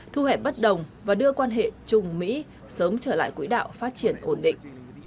thu hẹp bất đồng và đưa quan hệ chung mỹ sớm trở lại quỹ đạo phát triển ổn định